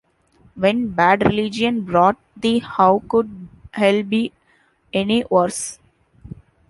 When Bad Religion brought the How Could Hell Be Any Worse?